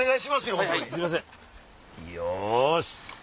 よし。